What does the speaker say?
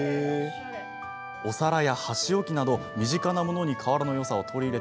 お皿や箸置きなど身近なものに瓦のよさを取り入れ